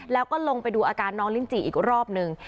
แล้วก็ลงไปดูอาการน้องลิ้นจีอีกรอบนึง